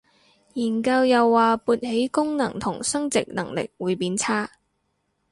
研究又話勃起功能同生殖能力會變差